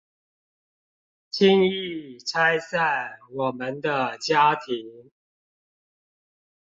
輕易拆散我們的家庭